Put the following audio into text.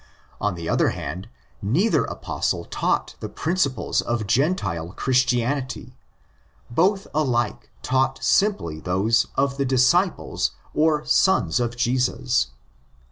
On the other hand, neither Apostle taught the principles of Gentile '' Christianity': both alike taught simply those of the disciples or '"'sons of Jesus."